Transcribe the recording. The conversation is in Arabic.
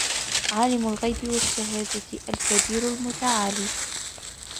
عالم الغيب والشهادة الكبير المتعال